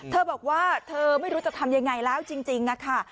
เธอบอกว่าเธอไม่รู้จะทำยังไงแล้วจริงค่ะ